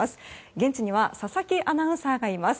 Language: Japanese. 現地には佐々木アナウンサーがいます。